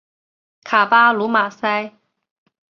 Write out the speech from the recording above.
卡巴卢马塞。